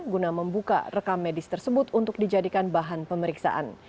guna membuka rekamedis tersebut untuk dijadikan bahan pemeriksaan